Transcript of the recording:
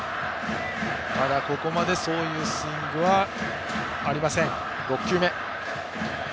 まだここまでそういうスイングはありません。